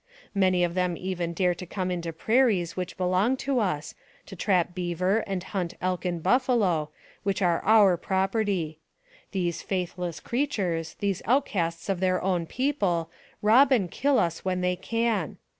Many of them even dare to come into prairies which belong to us, AMONG THE SIOUX INDIANS. 109 to trap beaver, and hunt elk and buffalo, which are our property. These faithless creatures, the outcasts of their own people, rob and kill us when they can.